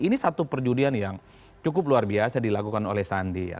ini satu perjudian yang cukup luar biasa dilakukan oleh sandi ya